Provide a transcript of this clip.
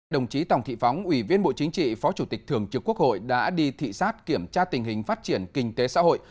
đồng chí tòng thị phóng ủy viên bộ chính trị phó chủ tịch thường trực quốc hội đã đi thị xát kiểm tra tình hình phát triển kinh tế xã hội